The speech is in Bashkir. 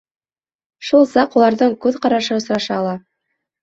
Шул саҡ уларҙың күҙ ҡарашы осраша ла.